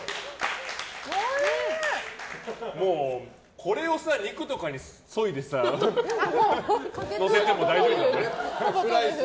もう、これを肉とかに削いでのせても大丈夫だろ。